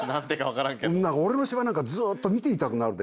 俺の芝居なんかずっと見ていたくなるでしょ。